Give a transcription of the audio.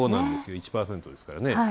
１％ですからね。